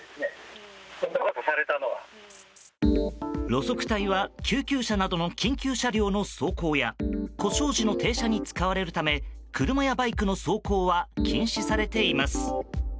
路側帯は救急車などの緊急車両の走行や故障時の停車に使われるため車やバイクの走行は禁止されています。